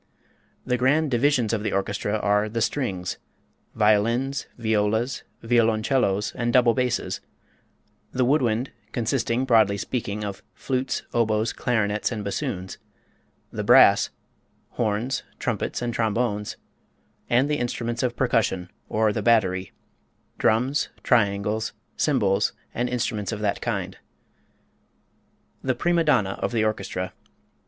The grand divisions of the orchestra are the strings violins, violas, violoncellos and double basses; the woodwind, consisting, broadly speaking, of flutes, oboes, clarinets and bassoons; the brass horns, trumpets and trombones; and the instruments of percussion, or the "battery" drums, triangles, cymbals and instruments of that kind. The Prima Donna of the Orchestra.